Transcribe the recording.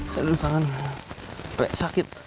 saya dulu tangan sampai sakit